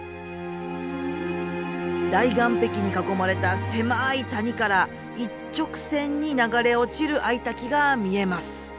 大岩壁に囲まれた狭い谷から一直線に流れ落ちるＩ滝が見えます。